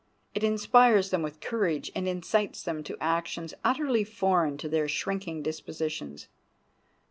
It inspires them with courage and incites them to actions utterly foreign to their shrinking dispositions.